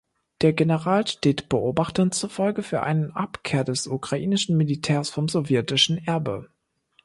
Der General steht Beobachtern zufolge für eine Abkehr des ukrainischen Militärs vom sowjetischen Erbe.